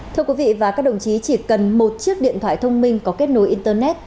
thưa quý vị và các đồng chí chỉ cần một chiếc điện thoại thông minh có kết nối internet